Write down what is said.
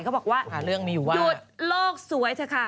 เขาบอกว่าหยุดโลกสวยเถอะค่ะ